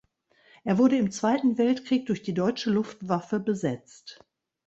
Er wurde im Zweiten Weltkrieg durch die deutsche Luftwaffe besetzt.